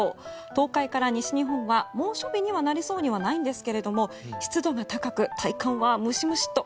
東海から西日本は猛暑日にはなりそうにはないんですが湿度が高く、体感はムシムシと。